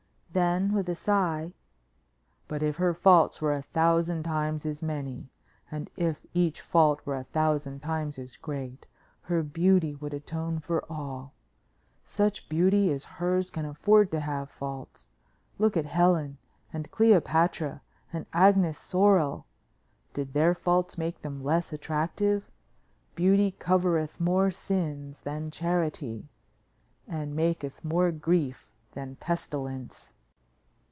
Then with a sigh: "But if her faults were a thousand times as many, and if each fault were a thousand times as great, her beauty would atone for all. Such beauty as hers can afford to have faults. Look at Helen and Cleopatra, and Agnes Sorel. Did their faults make them less attractive? Beauty covereth more sins than charity and maketh more grief than pestilence."